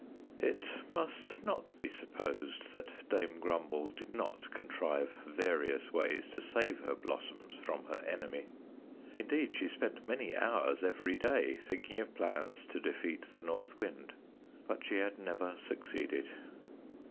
It must not be supposed that Dame Grumble did not contrive various ways to save her blossoms from her enemy. Indeed, she spent many hours every day thinking of plans to defeat the North Wind, but she had never succeeded.